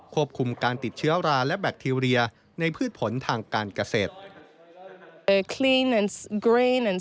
ควบคุมการติดเชื้อราและแบคทีเรียในพืชผลทางการเกษตร